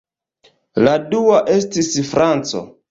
La dua estis franco.